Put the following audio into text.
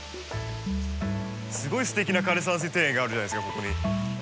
すごいすてきな枯れ山水庭園があるじゃないですかここに。